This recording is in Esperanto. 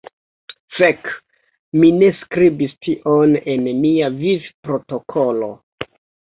Fek, mi ne skribis tion en mia vivprotokolo.